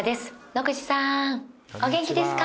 野口さんお元気ですか？